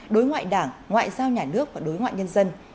đối ngoại đảng ngoại giao nhà nước và đối ngoại nhân dân